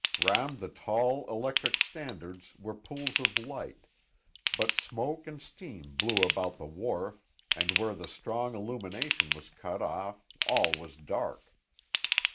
Round the tall electric standards were pools of light, but smoke and steam blew about the wharf and where the strong illumination was cut off all was dark.